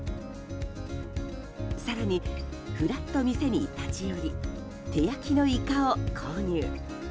更に、ふらっと店に立ち寄り手焼きのイカを購入。